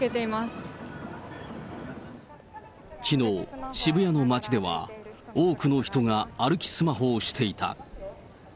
きのう、渋谷の街では、多くの人が歩きスマホをしていた。